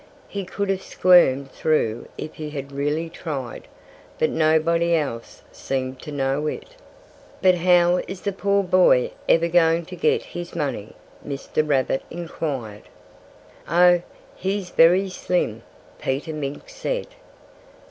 He could have squirmed through if he had really tried. But nobody else seemed to know it. "But how is the poor boy ever going to get his money?" Mr. Rabbit inquired. "Oh, he's very slim," Peter Mink said.